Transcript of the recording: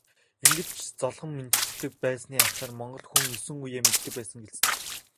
Ингэж золгон мэндчилдэг байсны ачаар монгол хүн есөн үеэ мэддэг байсан гэлцдэг.